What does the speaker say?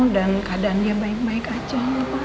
dan keadaan dia baik baik aja